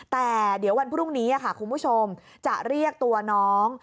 แต่เดี๋ยววันพรุ่งนี้ค่ะคุณผู้ชมจะเรียกตัวน้อง